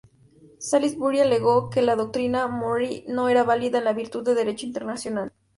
Salisbury alegó que la Doctrina Monroe no era válida en virtud del derecho internacional.